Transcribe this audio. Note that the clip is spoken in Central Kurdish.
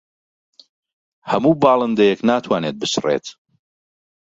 هەموو باڵندەیەک ناتوانێت بچڕێت.